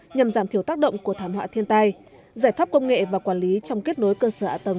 nhằm giảm thiểu tác động của thảm họa thiên tai giải pháp công nghệ và quản lý trong kết nối cơ sở ạ tầng